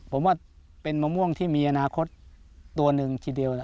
ผมว่าเป็นมะม่วงที่มีอนาคตตัวหนึ่งทีเดียว